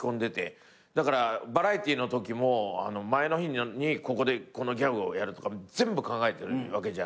だからバラエティーのときも前の日に「ここでこのギャグをやる」とか全部考えてるわけじゃない。